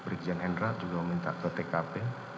brigjen hendra juga minta ke tkp